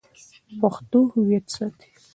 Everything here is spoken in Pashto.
پښتو هویت ساتي.